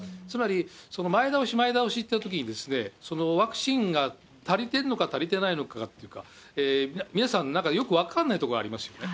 つまりその前倒し、前倒しといったときに、そのワクチンが足りてるのか足りてないのかとか、皆さん、なんかよく分かんないところがあります。